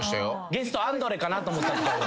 ゲストアンドレかなと思った。